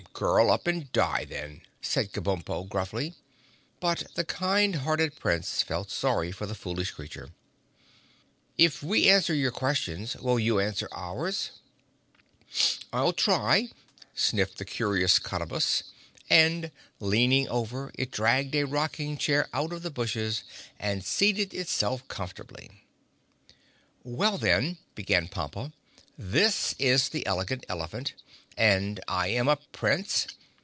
"Curl up and die, then," said Kabumpo gruffly. But the kind hearted Prince felt sorry for the foolish creature. "If we answer your questions, will you answer ours?" "I'll try," sniffed the Curious Cottabus, and leaning over it dragged a rocking chair out of the bushes and seated itself comfortably. "Well, then," began Pompa, "this is the Elegant Elephant and I am a Prince.